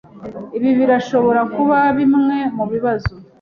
Ibi birashobora kuba bimwe mubibazo.